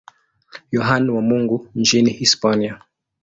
Yohane wa Mungu nchini Hispania.